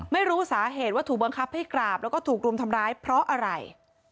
ไม่รู้สาเหตุว่าถูกบังคับให้กราบแล้วก็ถูกรุมทำร้ายเพราะอะไร